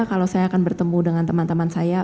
kalau saya akan bertemu dengan teman teman saya